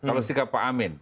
kalau sikap pak amin